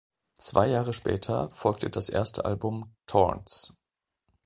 Zwei Jahre später folgte das erste Album "Thorns".